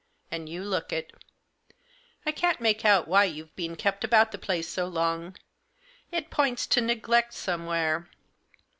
And you look it. I can't make out why you've been kept about the place so long ; it points to neglect some where.